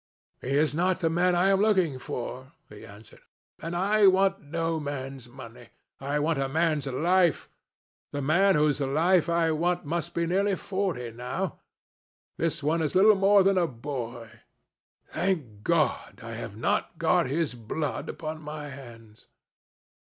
"He is not the man I am looking for," he answered, "and I want no man's money. I want a man's life. The man whose life I want must be nearly forty now. This one is little more than a boy. Thank God, I have not got his blood upon my hands."